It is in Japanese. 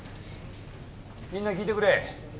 みんな聞いてくれ。